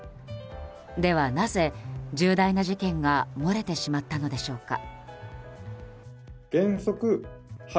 では、なぜ重大な事件が漏れてしまったのでしょうか。